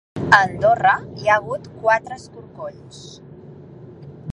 A Andorra hi ha hagut quatre escorcolls.